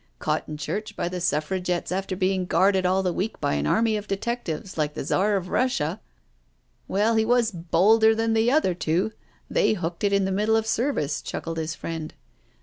Caught .ii\ church by the Suffragettes after being guarded all the week by an army of detectives like the Czar of Russia." Well, he was * Bolder * than the other two — they hooked it in the middle of the service," chuckled his friend.